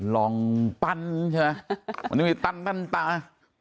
ลองปั้นใช่ไหมวันนี้มีตันปั้นตา